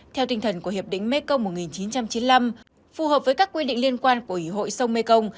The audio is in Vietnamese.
theo tinh thần của hiệp định mekong một nghìn chín trăm chín mươi năm phù hợp với các quy định liên quan của ủy hội sông mekong